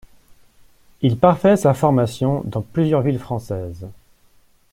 Il parfait sa formation dans plusieurs villes françaises.